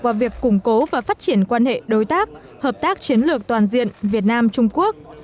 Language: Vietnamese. vào việc củng cố và phát triển quan hệ đối tác hợp tác chiến lược toàn diện việt nam trung quốc